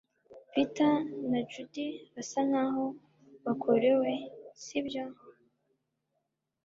Peter na Judy basa nkaho bakorewe, sibyo?